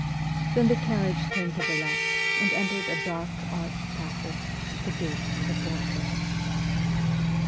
Then the carriage turned to the left and entered a dark arched passage, the gate of the fortress.